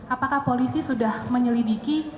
apakah polisi sudah menyelidiki